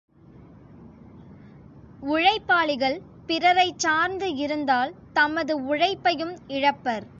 உழைப்பாளிகள், பிறரைச் சார்ந்து இருந்தால் தமது உழைப்பையும் இழப்பர்.